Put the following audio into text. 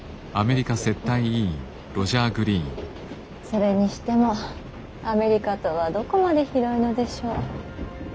それにしてもアメリカとはどこまで広いのでしょう。